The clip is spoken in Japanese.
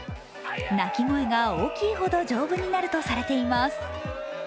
泣き声が大きいほど丈夫になるとされています。